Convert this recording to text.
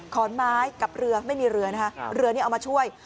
ขอนไม้กับเรือไม่มีเรือนะคะเรือนี่เอามาช่วย